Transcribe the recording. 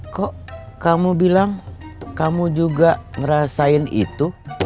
kok kamu bilang kamu juga ngerasain itu